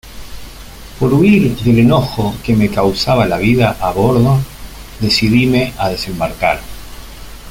por huir del enojo que me causaba la vida a bordo, decidíme a desembarcar.